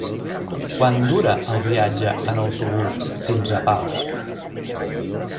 Quant dura el viatge en autobús fins a Pals?